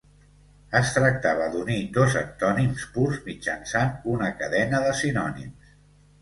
Es tractava d'unir dos antònims purs mitjançant una cadena de sinònims.